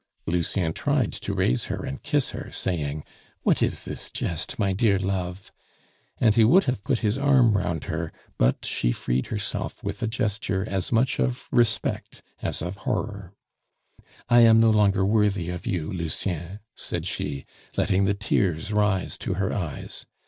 Lucien tried to raise her and kiss her, saying, "What is this jest, my dear love?" And he would have put his arm round her, but she freed herself with a gesture as much of respect as of horror. "I am no longer worthy of you, Lucien," said she, letting the tears rise to her eyes.